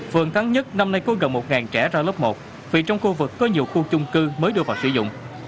phường thắng nhất năm nay có gần một trẻ ra lớp một vì trong khu vực có nhiều khu chung cư mới đưa vào sử dụng